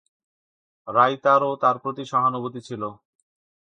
রাইতারও তার প্রতি অনুভূতি ছিল।